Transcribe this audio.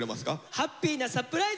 ハッピーなサプライズ。